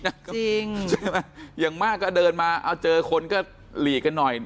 ที่อย่างมากก็เดินมาเจอคนก็หลีกหน่อย